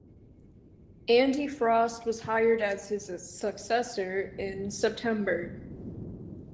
Andy Frost was hired as his successor in September.